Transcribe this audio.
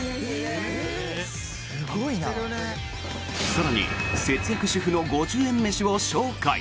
更に節約主婦の５０円飯を紹介！